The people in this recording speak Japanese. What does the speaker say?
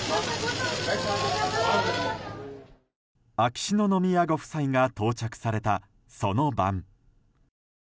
秋篠宮ご夫妻が到着されたその晩。